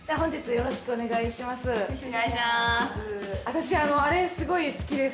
よろしくお願いします。